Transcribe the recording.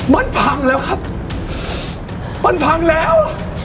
มันพังแล้วครับมันพังแล้ว